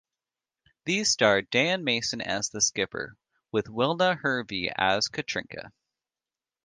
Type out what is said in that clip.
These starred Dan Mason as the Skipper with Wilna Hervey as Katrinka.